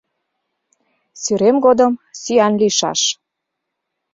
Сӱрем годым сӱан лийшаш.